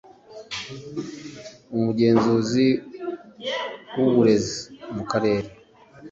umugenzuzi w uburezi mu karere